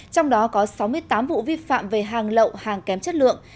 trong đó có sáu mươi tám vụ vi phạm về hàng lậu hàng kém chất lượng